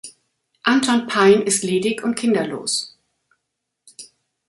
Anton Pein ist ledig und kinderlos.